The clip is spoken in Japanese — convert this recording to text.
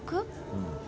うん。